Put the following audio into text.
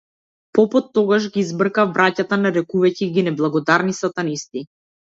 Попот тогаш ги избрка браќата нарекувајќи ги неблагодарни сатанисти.